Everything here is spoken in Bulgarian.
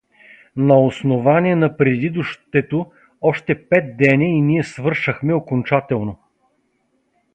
На основание на предидущето, още пет деня, и ние свършахме окончателно!